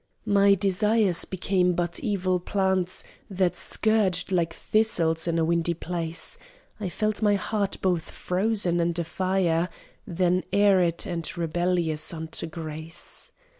My desires became but evil plants That scourged like thistles in a windy place; I felt my heart both frozen and afire, Then arid, and rebellious unto grace.